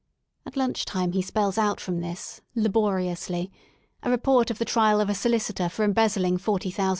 At lunch time he spells out from this, laboriously, a report of the trial of a solicitor for em* bezzling ;£'40,ooo.